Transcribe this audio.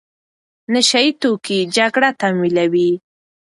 نشه يي توکي جګړه تمویلوي.